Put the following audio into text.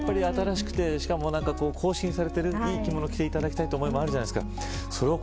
やっぱり、新しくて更新されている、いい着物を着ていただきたいという思いもあるじゃないですか。